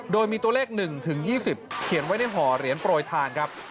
โดยมีตัวเลข๑๒๐เขียนไว้ในห่อเหรียญโปรยทานครับ